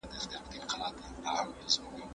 ایا لوی صادروونکي چارمغز پلوري؟